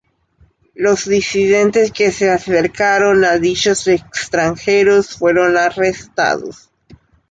Los disidentes que se acercaron a dichos extranjeros fueron arrestados.